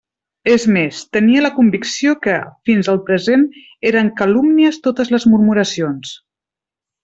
És més: tenia la convicció que fins al present eren calúmnies totes les murmuracions.